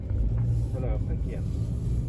'เฉลิมพระเกียรติ'